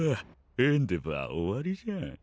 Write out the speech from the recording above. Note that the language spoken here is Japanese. エンデヴァー終わりじゃん。